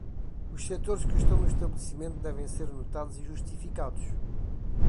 Os setores que estão no estabelecimento devem ser anotados e justificados.